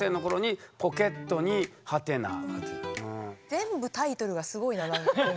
全部タイトルがすごいな今回。